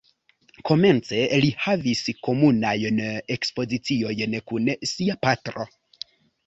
Komence li havis komunajn ekspoziciojn kun sia patro.